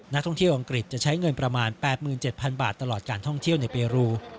นักท่องเที่ยวอังกฤษจะใช้เงินประมาณ๘๗๐๐บาทตลอดการท่องเที่ยวในเปรู